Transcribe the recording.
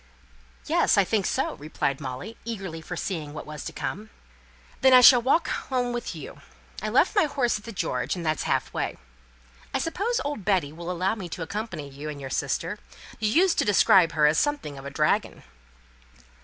"Yes, I think so," replied Molly, eagerly foreseeing what was to come. "Then I shall walk home with you. I left my horse at the 'George,' and that's half way. I suppose old Betty will allow me to accompany you and your sister? You used to describe her as something of a dragon."